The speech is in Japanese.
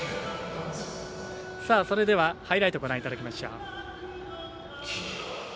それでは、ハイライトご覧いただきましょう。